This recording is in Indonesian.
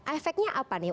efeknya apa nih